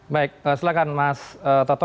baik silakan mas toto